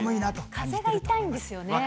風が痛いんですよね。